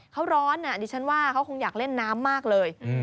เขาร้อนดิฉันว่าเขาคงอยากเล่นน้ำมากเลย